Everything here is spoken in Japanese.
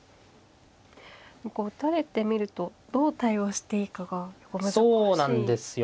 こう打たれてみるとどう対応していいかが結構難しいですか。